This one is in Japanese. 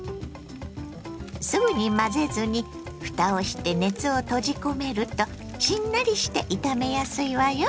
すぐに混ぜずにふたをして熱を閉じ込めるとしんなりして炒めやすいわよ。